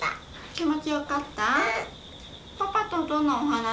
気持ちよかった？